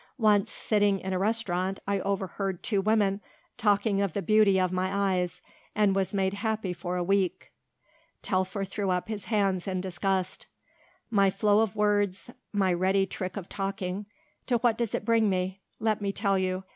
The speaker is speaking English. Once, sitting in a restaurant, I overheard two women talking of the beauty of my eyes and was made happy for a week." Telfer threw up his hands in disgust. "My flow of words, my ready trick of talking; to what does it bring me? Let me tell you.